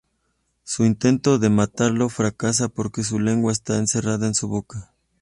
Su intento de matarlo fracasa porque su "lengua está encerrada en su boca".